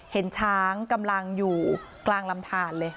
เห็นช้างกำลังอยู่กลางลำทานเลย